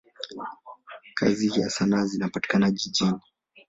Kazi za sanaa zinapatikana jijini.